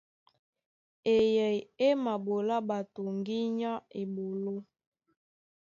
Eyɛy é maɓolá ɓato ŋgínya á eɓoló.